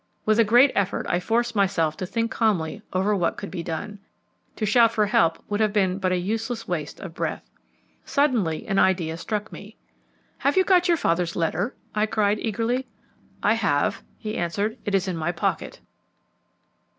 With a great effort I forced myself to think calmly over what could be done. To shout for help would have been but a useless waste of breath. Suddenly an idea struck me. "Have you got your father's letter?" I cried eagerly. "I have," he answered; "it is in my pocket."